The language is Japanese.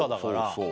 そう